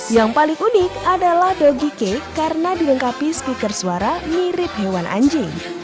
yang paling unik adalah doggy cake karena dilengkapi speaker suara mirip hewan anjing